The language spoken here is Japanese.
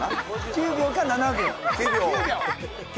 ・９秒か７秒？